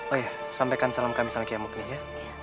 oh ya sampaikan salam kami sama kia mukni ya